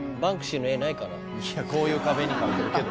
いやこういう壁に描いてるけど。